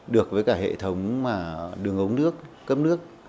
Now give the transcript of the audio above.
được với cả hệ thống mà đường ống nước cấp nước